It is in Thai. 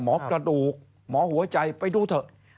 หมอกระดูกหมอหัวใจไปดูเถอะ